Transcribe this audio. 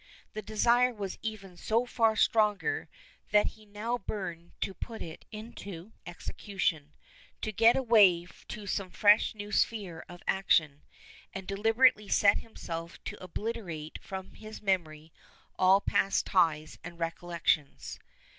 The desire was even so far stronger that he now burned to put it into execution; to get away to some fresh sphere of action, and deliberately set himself to obliterate from his memory all past ties and recollections.